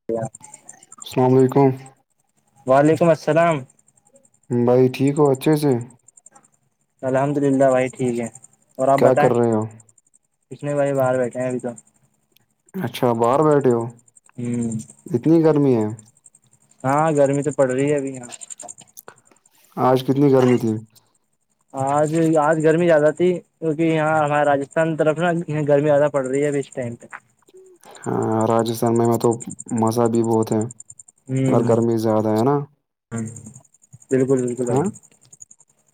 [unintelligible] السلام علیکم وعلیکم السلام بھائی ٹھیک ہو اچھے سے الحمد للہ بھائی ٹھیک ہے اور آپ کیا کر بتائیں رہے ہو کتنے بھائی باہر بیٹھے ہیں ابھی تو اچھا باہر بیٹھے ہو ہوں اتنی گرمی ہے ہاں گرمی تو پڑ رہی ہے ابھی یہاں آج کتنی گرمی تھی آج آج گرمی زیادہ تھی کیوںک یہاں ہمارے راستھان طرف نا یہاں گرمی زیادہ پڑ رہی ہے ابھی [unintelligible] ہوں ہاں راجستھان میں میں تو مزہ بھی بہت ہے ہ مگر گرمی زیادہ ہے نا ہ بالکل بالکل ہاں آئی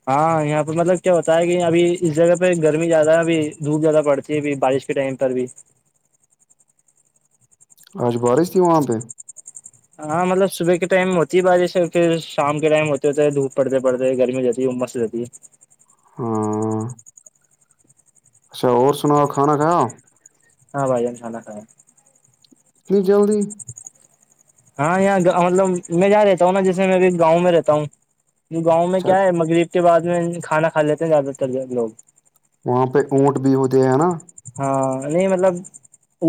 ہاں یہاں پہ مطلب کیا ہوتا ہے کہ ابھی اس جگہ پہ گرمی زیادہ ہے ابھی دھو زیادہ پڑتی ہے ابھی بارش ٹائم پر بھی اج بارش تھی وہاں پر ہاں مطلب صبح کے ٹائم ہوتی بات جی سے پ شام کے ٹائم ہوتے ہوتا ہے دھوپ پڑتے پڑتے گرمی جات ہے [unintelligible] ہاں اچھا اور سناؤ کھانا کھایا ہاں بھائی جان کھانا کھایا اتنی جلدی ہاں یہاں مطلب میں ج یہاں رہتا ہوں نا جیے میں ابھی گاؤں میں رہتا ہوں گاؤں میں اچھا کیا ہے مغرب کے بعد میں کھانا کھا لیتے ہیں زیادہ تر لوگ وہاں پہ اونٹ بھی ہوتے ہیں ہے نا ہاں نہیں مطلب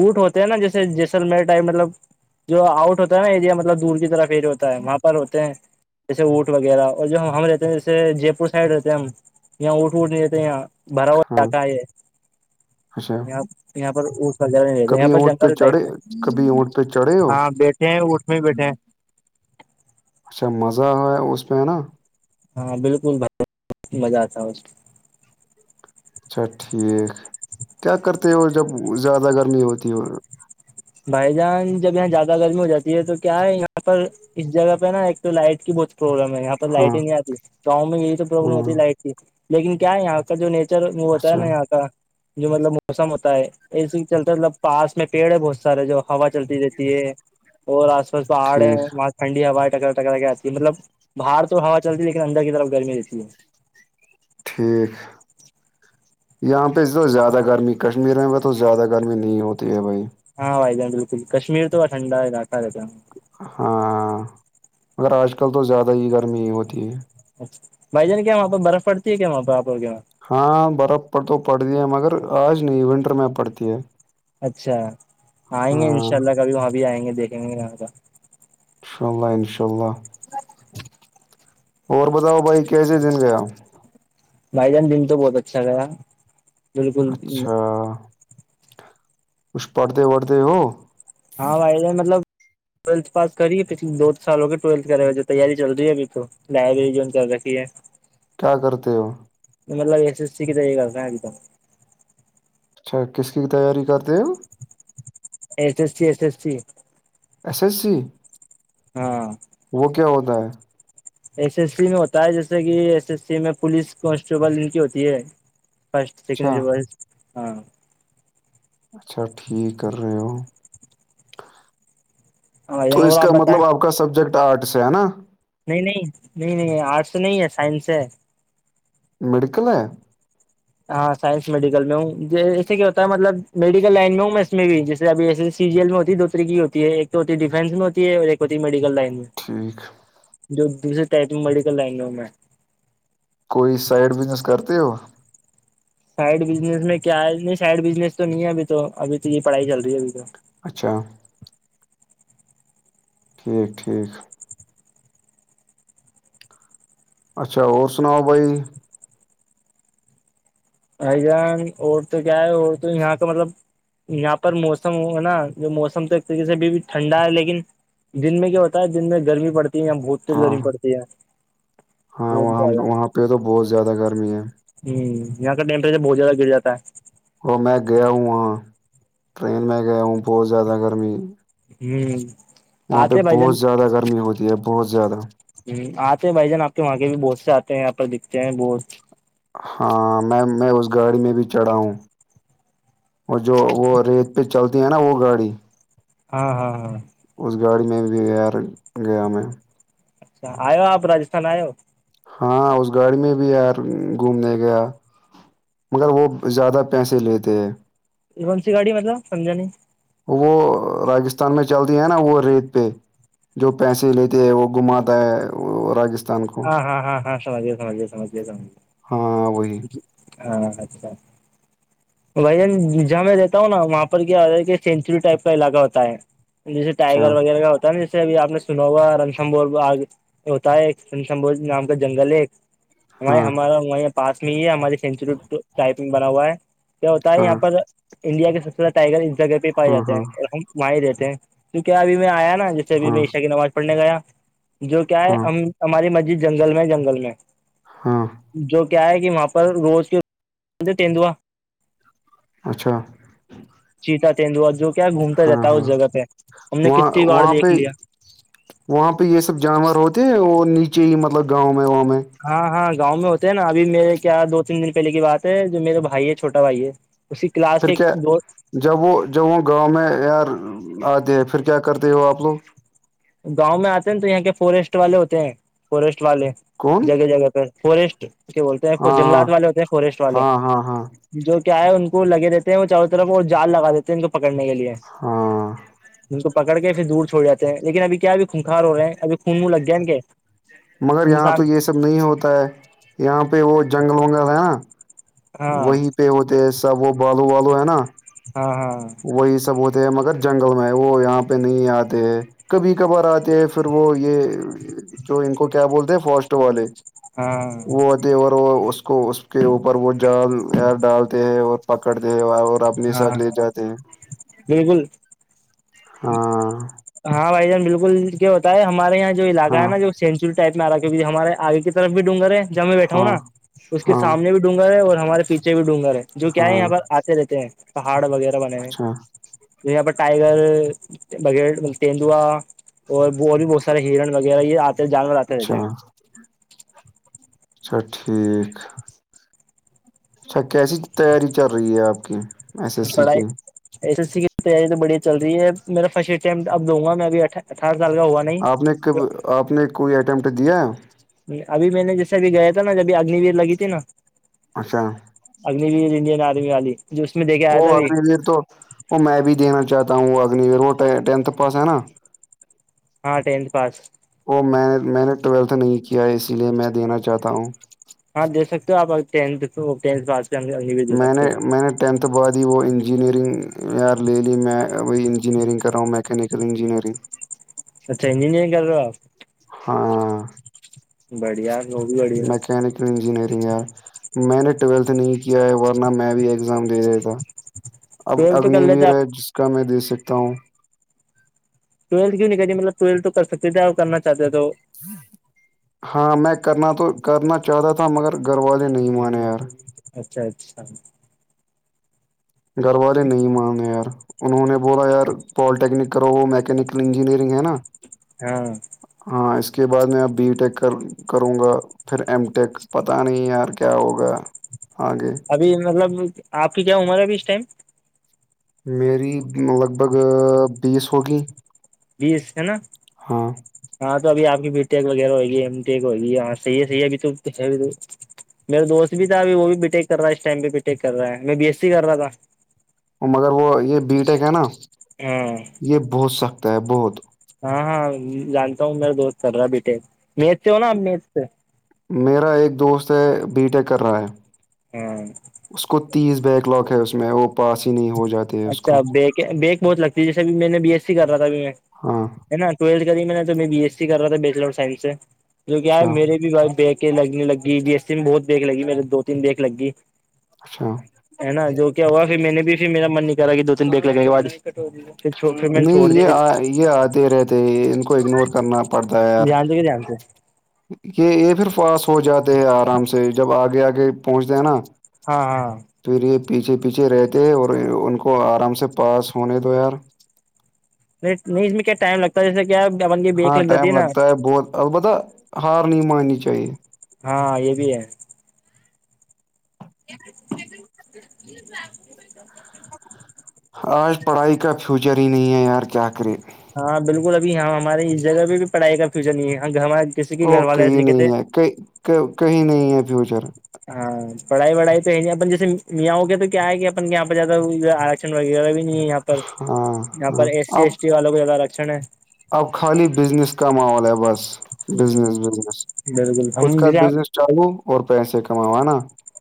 اٹ ہوتے ہیں نا جیسے جیسلمیر ٹائ مطلب جو آؤٹ ہوتا ہے نا ایریا مطلب دور کی طرف ف اییر ہوتا ہے وہاں پر ہوتے ہیں جیسے اٹ وغیرہ اور جو ہم رہتے ہیں جیسے جے پور سائڈ رہتے ہیں ہم یہاں اٹ اٹ نہیںتا ہے یہاں براو ہاں کا ہے اچھا یہاں کبھی یہاں اونٹ پہ جنگل ٹائپ چڑھے کبھی اونٹ پہ چڑھے ہو ہاں بی ہیں اٹھ میں بھی بیٹھے ہیں اچھا مزہ ہے اس پہ ہے نا ہاں بالکل بھائی مزہ آتا اس اچھا ٹھیک کیا کرتے ہیں وہ جب زیادہ گرمی ہوتی ہے اور بھائی جان جب یہاں زیادہ گرمی ہو جاتی ہے تو کیا ہے یہاں پر اس جگہ پہ نا ایک تو لائٹ کی بہت پروبلم ہے یہاں پر ہاں لائٹ ہی نہیں آتی چاؤں میں یہی سب پرابلم ہاں ہوتی ہے لائٹ کی لیکن کیا ہے یہاں کا جو نیچر وہ ہوتا ہے اچھا نا یہاں کا جو مطلب موسم ہوتا ہے اسی چلتا مطلب پاس میں پیڑ ہے بہت سارے جو ہوا چلتی رہتی ہے اور آس پاس پہاڑ ٹھیک ہیںاں ٹھڈی ہوایں ٹکا ٹکا ج آتی ہے مطلب باہر تو ہوا چلتی ہے لیکن اندر کی طرف گرمی رہتی ہے ٹھیک یہاں پہ تو زیادہ گرمی کشمیر میں تو زیادہ گرمی نہیں ہوتی ہے بھائی ہاں بھائی جان بالکل کشمیر تو ٹھڈا ہے دلاقہ رہتا ہیںوں ہاں مگر آج کل تو زیادہ ہی گرمی ہی ہوتی ہے اچھا بھائی جان کیا وہاںہ برف پڑتی ہے کیا وہاں پ آپ کے وہاں ہاں برف پر تو پڑتی ہے مگر آج نہیں ونٹر میں پڑتی ہے اچھا آئیں گے ہاں ان شاء اللہ کبھی وہاں بھی آئیں گے دیکھیں گے یہاں کا ان شاء اللہ انشاء اللہ اور بتاؤ بھائی کیسے دن گیا بھائی جان دن تو بہت اچھا رہا اچھا کچھ پڑھتے وڑھتے ہو ہاں وھائید مطلب ٹویلتھاس کریے پچھل دو سال کے ٹیلتھ کرے ہوے تیاری چل رہی ابھی تو ڈائریری جو چل رکھی ہے کیا کرتے ہو مطلب ایس ایس سی کیاہےا ایک دم اچھا کس کی کی تیاری کرتے ہیں ہم S S C S S C S S جی ہاں وہ کیا ہوتا ہے ایس ایس سی میں ہوتا ہے جیسے کہ ایس ایس سی میں پولیس کانسٹیبل ان کی ہوتی ہے فرٹ سیکڈ اچھا ب ہاں اچھا ٹھیک کر رہے ہو تو اور اس آپ کا بتائیں مطلب آپ کا سبجیکٹ آٹس ہے نا نہیں نہیں نہیں نہیں آرٹس نہیں ہے سائنس سے میڈیکل ہے ہاں سائنس میڈیکل میں ہوں جسے کیا ہوتا ہے مطلب میڈیکل لائن میں ہوں میں اس میں بھی جیس ابھی ایسے سی جیل میں ہوتی دو طریح کی ہوتی ہے ایک تو ہوتی ڈیفینس میں ہوتی ہے اور ایک ہوتی میڈیکل لائن میں ٹھیک جو دوسرے ٹائپ میں میڈیکل لائنا میں کوئی سائڈ بزنس کرتے ہو سائڈ بزنس میں کیا ہے نہیں سائڈ بزنس تو نہیں ہے ابھی تو ابھی تو یہ پڑھائی چل رہی ہے ابھی تو اچھا ٹھیک ٹھیک اچھا اور سناؤ بھائی بائی جان اور تو کیا ہے اور تو یہاں کا مطلب یہاں پر موسم نا جو موسم تو ایک طریقے سے ابھی بھی ٹھنڈا ہے لیکن دن میں کیا ہوتا ہے دن میں گرمی پڑتی ہے یہ بہت تیز ہاں گرمی پڑتی ہے ہاں بہت وہاں زیادہ وہاں پہ تو بہت زیادہ گرمی ہے ہ یہاں کا ٹیمپریچر بہت زیادہ گراتا ہے وہ میں گیا ہوں وہاں ٹرین میں گیا ہوں بہت زیادہ گرمی ہوں وہاں پہ بہت زیادہ گرمی ہوتی ہے بہت زیادہ ہ آتے بھائی جان آپ کے وہاں کے بھی بہت سے آتے ہیں آاں پ دکھتے ہیں بہت ہاں میں میں اس گاڑی میں بھی چڑھا ہوں اور جو وہ ریت پہ چلتی ہے نا وہ گاڑی ہاں ہاں ہاں اس گاڑی میں یار گ م میں اچھا آ ہو آپ رجستھان آ ہو ہاں اس گاڑی میں بھی یار گھومنے گیا مگر وہ زیادہ پیسے لیتے ہیں کون سی گاڑی مطلب سمجا نہیں وہ راجستھان میں چلتی ہے نا وہ ریت پہ جو پیسے لیتے ہے وہ گھماتا ہے وہ راجستھان کو ہاں ہاں ہاں ہاں سمجھے سمجھے سمجھے سمجھے ہاں وہی ہاں اچھا وہھ جہاں میں رہتا ہوں نا وہاں پر کیا سینچری ٹائپ کا علاقہ ہوتا ہے جیسے اچھا ٹائیگر وغیرہ کا ہوتا نا جیسے ابھی آپ نے سنا ہوا رنسم بولاگ ہوتا ہے ایک سن سنبوج نام کا جنگل ہے ایک وہ ہاں ہمارا وہ پاس میں ہی ہے ہمارے سینچی ٹائپنگ بنا ہوا ہے کیا ہوتا ہے یہاں ہاں پر انڈیا کے سب سے زیادہ ٹائگر اس جگہ پہ پ ہاں جاتے ہیں ہاں اور ہم ماہ رہتے ہیں تو کیا ابھی میں آیا نا جیسےبھی ہاں میں عشا کی نماز پڑنے گیا جو کیا ہے ہاں ہم ہماری مسجد جنگل میں جنگل میں ہاں جو کیا ہے کہ وہاں پر روز کی تدوا اچھا چیتا تیندوا جو کیا گھومتا ہاں رہتا ہے اس ہاں جگہ پہ ہم نے وہاں کتنی بار وہاں دیکھ پہ لیا وہاں پہ یہ سب جانور ہوتے ہیں اور نیچے ہی مطلب گاؤں میں وہاں میں ہاں ہاں گاؤں میں ہوتے ہیں نا ابھی میرے کیا دو تین دن پہلے کی بات ہے جو میرے بھائی ہے چھوٹا بھائی ہے اسی کلاس پھر کے کیا دو جب وہ جب وہ گاؤں میں یار آتے ہیں پھر کیا کرتے ہیں وہ آپ لوگ گاؤں میں آتے ہیں تو یہاں کے فوریسٹ والے ہوتے ہیں فوریسٹ والے کون جگہ جگہ پہ فوریسٹ کیا بولتے ہیں ہاں جنگلات والے ہوتے ہیں فوریسٹ والے ہاں ہاں ہاں جو کیا ہے ان کو لگے دیتے ہیں وہ چاروں طرف وہ جال لگا دیتے ان کو پکڑنے کے لیے ہاں ہاں ان کو پکڑ کے پھر دور چھوڑ جاتے ہیں لیکن اب کیا اب خھنخار ہو رہے ہیں اب خون ون لگ گیاا کیا مگر یہاں تو یہ سب نہیں ہوتا ہے یہاں پہ وہ جنگل ونگل ہے نا ہاں وہیں پہ ہوتے سب وہ بالو والو ہے نا ہاں ہاں وہی سب ہوتے ہیں مگر جنگل میں ہے وہ یہاں پہ نہیں آتے ہے کبھی کبھار آتے ہیں پھر وہ یہ جو ان کو کیا بولتے ہیں فاسٹ والے ہاں وہ اور وہ اس کو اس کے اوپر وہ جالیر ڈالتے ہیں اور پکڑتے اور اپنے ساتھ لے ہاں جاتے بالکل ہاں ہاں بھائی جان بالکل کیا ہوتا ہے ہمارے یہاں جو علاقہ ہے ہاں نا جو سینچریی ٹائپ میں آ رہا ہےکہ ہمارے آگے کی طرف بھی ڈون گر ہے جب میں بیٹھا ہوں ہاں نا اس کے ہاں سامنے بھی ڈ گگر ہے اور ہمارے پیچھے بھی ڈون گگر ہے جو کیا ہے ہاں یہاں پر آتے رہتے ہیں پہاڑ وغیرہ ب اچھا یہاں پر ٹائیگر بغیر تیندوا اور اور بھی بہت سارے ہرن وغیرہ یہ آتے ہیں جانور آتے رہتے اچھا ہیں اچھا ٹھیک اچھا کیسی تیاری چل رہی ہے آپ کی ایس ایس سی کی پڑھائی ایس ای سی کی تیاری تو بڑھیا چل رہی ہے میرا فرسٹ امٹ اب دوں گا میں ابھی اٹھ اٹارس سال کا ہوا نہیں آپ نے کب آپ نے کوئی اٹمپٹ دیا ابھی میں نے جیسے اب گیا تھا ناب اگنی ویر لگ تھی نا اچھا اگنی ویر انڈین آرمی آلی وہ اگنیویر تو وہ میں بھی دینا چاہتا ہوں وہ اگنیویر وہ ٹینتھ پاس ہے نا ہاں ٹنت پاس او میں نے میں نے ٹویلتھ نہیں کیا ہے اسی لیے میں دینا چاہتا ہوں ہاں دے سکتے ہو آپ چے میں نے میں نے ٹینتھ بعد ہی وہ انجینئرنگ یار لے لی میں بھی انجینئرنگ کر رہا ہوں میکینیکل انجینئرنگ اچھا یہ نہیں کر رہے ہو آپ ہاں بڑھیا وہ بھی بڑھیا مکانکل انجینیریگا میں نے ٹویلتھ نہیں کیا ہے ورنہ میں بھی ایگزام دے دیا تھا اب ٹویلتھ تو کر اگنی لیتے ویر آپ ہے جس کا میں دے سکتا ہوں ٹیلتھ کیوں نہیں کہے مطلب ٹولو تو کر سکتے کیا اور کرنا چاہتے ہے تو ہاں میں کرنا تو کرنا چاہتا تھا مگر گھر والے نہیں مانے یار اچھا اچھا گھر والے نہیں ماننے یار انہوں نے بولا یار پالیٹیکنک کرو وہ میکینیکل انجینئرنگ ہے نا ہاں ہاں اس کے بعد میں اب بی ٹیک کر کروں گا پھر ایم ٹیک پتا نہیں یار کیا ہوگا آگے ابھی مطلب آپ کی کیا عمر ہے ابھی اس ٹائم میری لگ بھگ بیس ہوگی بیس ہے نا ہاں ہاں تو ابھی آپ کی بی یک وغیرہ ہوئےگی ایم یک ہوگی ہاں صحی ہے صحیح ابھی تو ہے میرا دوست بھی تھا ابھی وہ بھی بی ٹیک کر رہا ہے اسٹائم پہ بی ٹیک کر رہا ہے میں بی ایس سی کر رہا تھا مگر وہ یہ بیٹیک ہے نا ہاں یہ بہت سخت ہے بہت ہاں ہاں جانتا ہوں میرا دوست سر رہا بیٹے میت سے ہو نا ا میز سے میرا ایک دوست ہے بی ٹیک کر رہا ہے ہاں اس کو تیس بیک لگ ہے اس میں وہ پاس ہی نہیں ہو رہی اچھا بیک بیک بہت لگتی ہے جیسے ا میں نے بی ایس سی کر رہا تھا ابھی میں ہاں ہےا ٹویلتھ کری میں نے تو میں بی ایس سی کرا تھا بیچلر سائنس سے جو اچھا مے بھیائ لگنے لگی بی ایس سی میں بہت بیک لگی میرے دو تین ب بیک لگی اچھا ہے نا جو کیا ہوا پھر میں نے بھی پھر میرا من نہیں لگی دو تین بیک لگیں گےدھر میں نے نہیں چھوڑ یہ دھر آ یہ آتے رہتے ہیں ان کو اگنور کرنا پڑتا ہے یار جانتے کہ جان سے یہ یہ پھر پاس ہو جاتے ہیں آرام سے جب آگے آگ پہنچتے ہیں نا ہاں ہاں پھر یہ پیچھے پیچھے رہتے اور ان کو آرام سے پاس ہونے دو یار نہیں نہیں اس میں کیا ٹائم لگتا ہے جیسے کیا آنگی بیک لگ جات ہے نا بہت اہ پتا ہے ہار نہیں ماننی چاہیے ہاں یہ بھی ہے آج پڑھائی کا فیوچر ہی نہیں ہے یار کیا کرے ہاں بالکل ابھی یہاں ہمارے اس جگہ پہ بھی پڑھائی کا فیوچر نہیں ہے ہمار اور کہئی نہیں ہے کہیں کئی کئی نہیں ہے فیوچر ہاں پڑھائی وڑھائی تو ہے نہیں اپن جیسے میاںں کے تو کیا ہے کہ اپن یہاں پہ جیاا رک وغیرہ بھی نہیں ہے یہاں پر ہاں یہاں پر ہاں اے سی اب ایس ٹی والوں کو زیادہ رکشن ہے اب خالی بزنس کا ماحول ہے بس ہ بزنس بزنس بالکل خود ہم کا جیسے بزنس چالو اور پیسے کماؤ ہے نا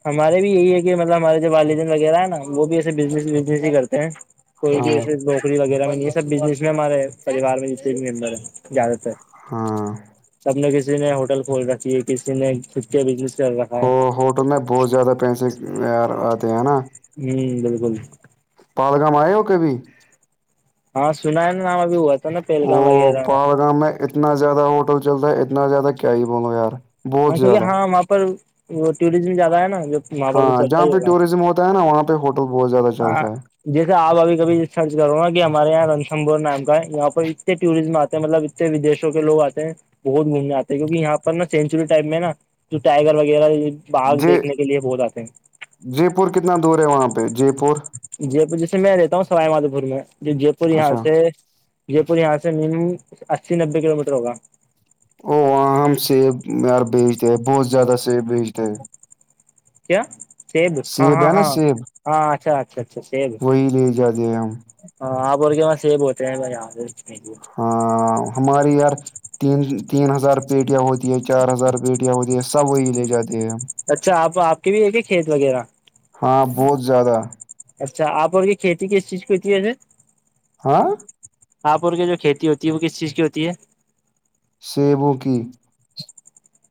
ہمارے بھی یہی ہے کہ مطلب ہمارے جو والدین وغیرہ ہے نا وہ بھی ایسے بزنس وزنس ہی کرتے ہیں کوئی بھی ہاں ایسے نوکری وغیرہ میں نہیں یہ سب بزنس میں ہمارے پریوار میں جتنے بھی ممبر ہیں زیادہ تر ہم سب نے کسی نے ہوٹل کھول رکھی ہے کسی نے خود کے بزنس کر رکھا ہے ہو ہوٹل میں بہت زیادہ پیسے یار آتے ہیں نا ھم بالکل پالگام آئے ہو کے بھی ہاں سنا ہے نا نام ابھی ہوا تھا نا وہ پہلگام وغیرہ میں پہڑگام میں اتنا زیادہ ہوٹل چلتا ہے اتنا زیادہ کیا ہی بولو یار ہاں بہت کیونکہ زیادہ ہاں وہاں پر وہ ٹوریزم زیادہ ہے نا جو وہاں پر تو ہاں چلتا جہاں ہی پہ ٹوریزم ہوتا ہے نا وہاں پہ ہوٹل بہت زیادہ ہوگا چلتا ہے جیسے آپ اب کبھی سرچ کرو نا کہ ہمارے یہاں رنسمبور نام کا ہے یہاں پر اتنے ٹوریزٹم آتے ہیں مطلب ودشوں کے لوگ آتے ہیں بہت گھومنے آتے ہیں کیکہ یہاں پر نا چینج چ ٹائپ میں نا جو ٹائگر وغیرہ بھاگ جے دیکھنے کے لیے بہت آتے ہیں جے پور کتنا دور ہے وہاں پہ جے پور جے پور جیسے میں رہتا ہوں سبائی مادو پور میں ج جے پور یہاں اچھا سے او جے پور یہاں سے مم اسی نبے کلو میٹر ہوگ اواں ہم سیب یار بیچتے ہیں بہت زیادہ سیب بیچتے ہیں کیا سیب ہاں ہاں ہے نا ہاں سیب ہاں اچھا اچھا اچھا سب وہی لے جاتے ہیں ہم ہاں آپ اور کے وہاں سیب ہوتے ہیں میںیاار ہاں ہماری یار تین تین ہزار پیٹیاں ہوتی ہے چار ہزار پیٹیاں ہوتی ہے سب وہی لے جاتے ہیں اچھا آپ آپ کے بھی ہے کہ کھیت وغیرہ ہاں بہت زیادہ اچھا آپ اور کی کھیتی کس چیز کوتی ہےے ہاں ہاپور کی جو کھیتی ہوتی ہے وہ کس چیز کی ہوتی ہے سیبوں کی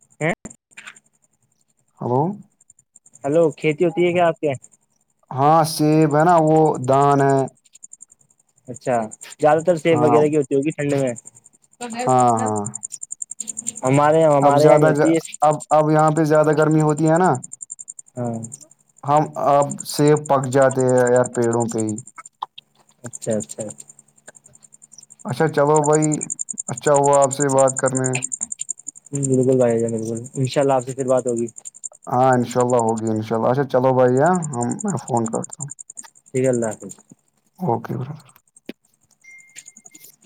ہے ہلو ہلو کھیتی ہوتی ہے کیا آپ کے یہاں ہاں سیب ہے نا وہ دان ہے اچھا زیادہ تر سیب ہاں وغیرہ کی ہوتی ہوگی ٹھنڈی میں ہاں ہاں ہمارے یہاں اب ہمارے یہاں نہیں زیادہ ہوتی ہے اب اب یہاں پہ زیادہ گرمی ہوتی ہے نا ہاں ہم اب سیب پک جاتے ہیں یار پیڑوں پہ ہی اچھا اچھا اچھا اچھا چلو بھائی اچھا ہوا آپ سے بات کرنے جی بالکل بھائی جان بالکل انشاء اللہ آپ سے پھر بات ہوگی ہاں انشاء اللہ ہوگی انشاء اللہ اچھا چلو بھائی ہم میں فون کاٹتا ہوں ٹھیک ہے اللہ حافظ اوکے برو